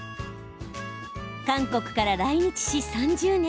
韓国から来日し３０年。